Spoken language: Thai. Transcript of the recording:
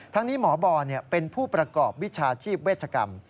นี้หมอบอลเป็นผู้ประกอบวิชาชีพเวชกรรม